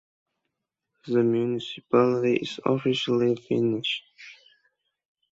The municipality is officially Finnish.